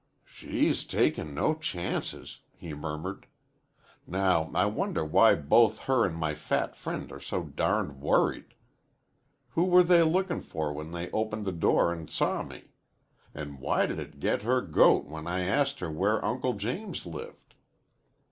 "She's takin' no chances," he murmured. "Now I wonder why both her an' my fat friend are so darned worried. Who were they lookin' for when they opened the door an' saw me? An' why did it get her goat when I asked where Uncle James lived?"